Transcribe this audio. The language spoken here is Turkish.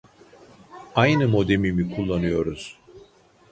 Aynı modemi mi kullanıyoruz